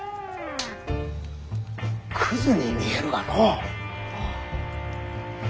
クズに見えるがのう。